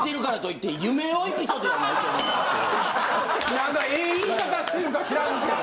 何かええ言い方してるか知らんけど。